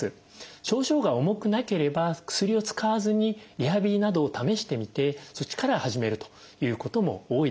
症状が重くなければ薬を使わずにリハビリなどを試してみてそっちから始めるということも多いです。